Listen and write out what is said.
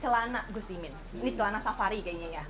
celana gus imin ini celana safari kayaknya ya